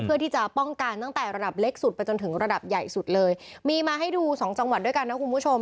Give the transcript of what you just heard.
เพื่อที่จะป้องกันตั้งแต่ระดับเล็กสุดไปจนถึงระดับใหญ่สุดเลยมีมาให้ดูสองจังหวัดด้วยกันนะคุณผู้ชม